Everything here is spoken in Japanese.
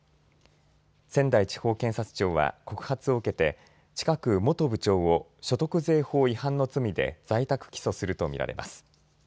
仙台地方検察庁は告発を受けて近く元部長を所得税法違反の罪で在宅起訴すると見られます。